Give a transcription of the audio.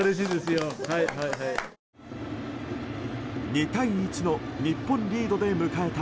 ２対１の日本リードで迎えた